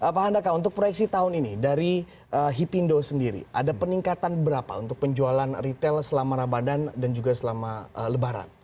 pak handaka untuk proyeksi tahun ini dari hipindo sendiri ada peningkatan berapa untuk penjualan retail selama ramadan dan juga selama lebaran